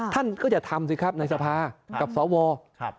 ท่านก็จะทำสิครับในสภากับสาววอล